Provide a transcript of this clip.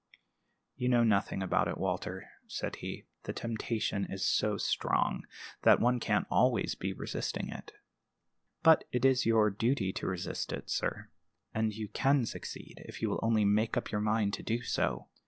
"You know nothing about it, Walter," said he. "The temptation is so strong, that one can't be always resisting it." "But it is your duty to resist it, sir; and you can succeed if you will only make up your mind to do so."